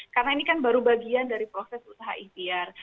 karena ini kan baru bagian dari proses usaha ipr